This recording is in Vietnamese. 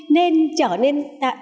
nên trở nên